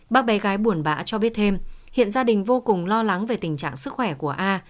bác bé gái buồn bã cho biết thêm hiện gia đình vô cùng lo lắng về tình trạng sức khỏe của a